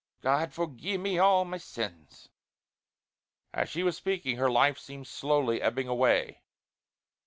God forgie me all my sins!" As she was speaking her life seemed slowly ebbing away.